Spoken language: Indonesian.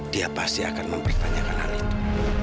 dia pasti akan mempertanyakan hal itu